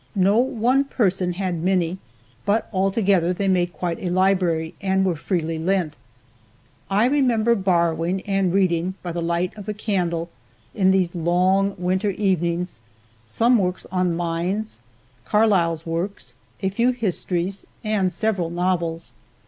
No one person had many, but all together they made quite a library and were freely lent. I remember borrowing and reading by the light of a candle, in these long winter evenings, some works on mines, Carlyle's works, a few histories and several novels.